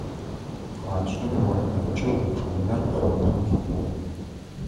Пхъашӏэм уатэмкӏэ гъучӏыӏунэр пхъмэбгъум хиӏугъ.